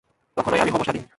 তখনই আমি হব স্বাধীন।